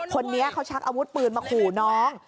คนนี้เขาชักอาวุธปืนมาขู่น้อง